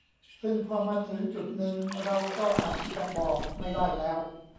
ซึ่งพอมาถึงจุดนึง เราก็อาจจะบอกไม่ได้แล้ว